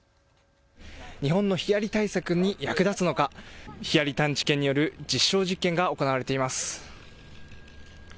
日本のヒアリ対策に役立つのか、ヒアリ探知犬による実証実験が行われています。